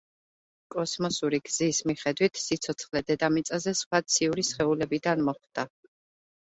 კოსმოსური გზის მიხედვით სიცოცხლე დედამიწაზე სხვა ციური სხეულებიდან მოხვდა.